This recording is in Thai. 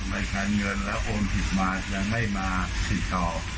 รายการเงินแล้วโอนผิดมายังไม่มาติดต่อ